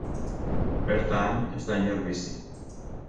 Bertan ez da inor bizi.